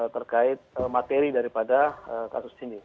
terkait materi daripada kasus ini